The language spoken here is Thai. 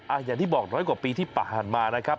อาจอย่างที่บอกกว่าปีที่ประหานมาครับ